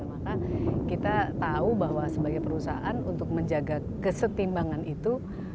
maka kita tahu bahwa sebagai perusahaan untuk menjaga kesetimbangan itu